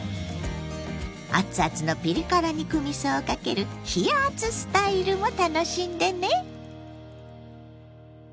熱々のピリ辛肉みそをかける「冷やあつスタイル」も楽しんでね。